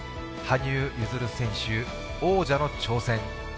羽生結弦選手、王者の挑戦。